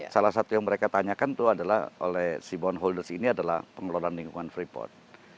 salah satu yang mereka tanyakan itu adalah oleh si bond holders ini adalah pengelolaan lingkungan freeport